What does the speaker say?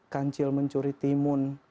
kancil mencuri timun